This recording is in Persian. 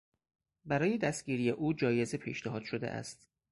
برای دستگیری او جایزه پیشنهاد شده است.